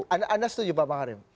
anda setuju pak pak karim